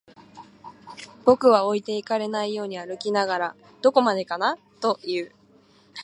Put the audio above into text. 僕は置いてかれないように歩きながら、どこまでかなと言う